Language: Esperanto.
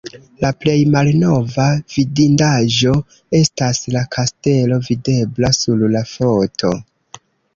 La plej malnova vidindaĵo estas la kastelo videbla sur la foto.